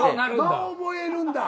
間を覚えるんだ。